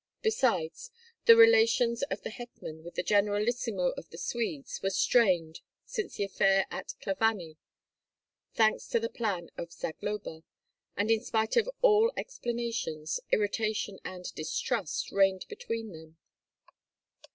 Besides, the relations of the hetman with the generalissimo of the Swedes were strained since the affair at Klavany, thanks to the plan of Zagloba; and in spite of all explanations, irritation and distrust reigned between them.